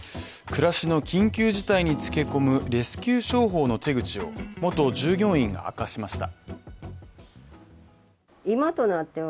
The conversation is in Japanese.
暮らしの緊急事態につけこむレスキュー商法の手口を元従業員が明かしました。